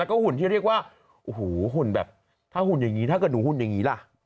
แล้วก็หุ่นที่เรียกว่าโอ้โหหุ่นแบบถ้าหุ่นอย่างนี้ถ้าเกิดหนูหุ่นอย่างนี้ล่ะ